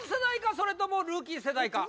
それともルーキー世代か？